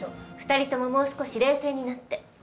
２人とももう少し冷静になって。